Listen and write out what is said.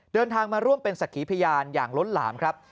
เดินทางมาร่วมเป็นสักขีพยานอย่างล้นหลามครับ